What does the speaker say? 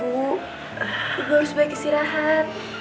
bu harus balik istirahat